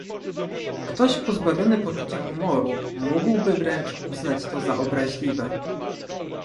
Ktoś pozbawiony poczucia humoru mógłby wręcz uznać to za obraźliwe